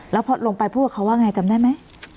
แล้วพอลงไปพูดกับเขาว่าไงจำได้ไหม